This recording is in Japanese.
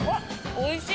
おいしい！